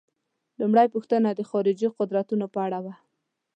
لومړۍ پوښتنه د خارجي قدرتونو په اړه وه.